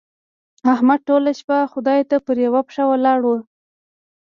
احمد ټوله شپه خدای ته پر يوه پښه ولاړ وو.